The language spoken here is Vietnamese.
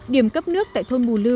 điểm cấp nước tại thôn bù lư